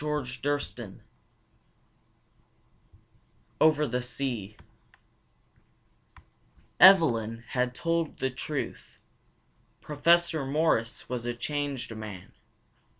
CHAPTER XII OVER THE SEA Evelyn had told the truth. Professor Morris was a changed man.